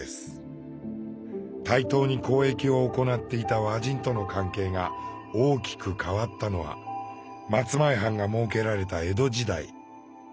対等に交易を行っていた和人との関係が大きく変わったのは松前藩が設けられた江戸時代。